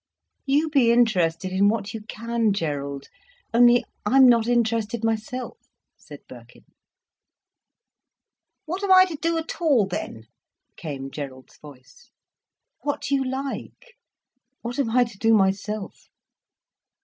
"You be interested in what you can, Gerald. Only I'm not interested myself," said Birkin. "What am I to do at all, then?" came Gerald's voice. "What you like. What am I to do myself?"